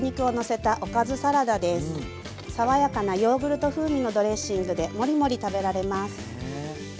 爽やかなヨーグルト風味のドレッシングでモリモリ食べられます。